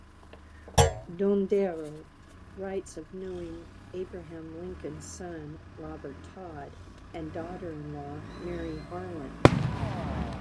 Dondero writes of knowing Abraham Lincoln's son, Robert Todd, and daughter-in-law, Mary Harlan.